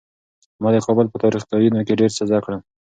ما د کابل په تاریخي ځایونو کې ډېر څه زده کړل.